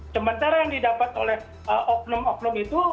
sementara yang didapat oleh oknum oknum itu